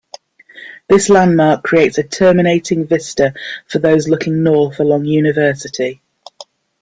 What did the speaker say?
This landmark creates a terminating vista for those looking north along University.